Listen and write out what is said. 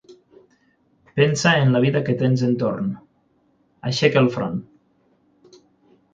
Pensa en la vida que tens entorn: aixeca el front.